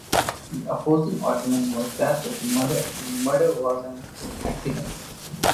The opposing argument was that the murder was an accident.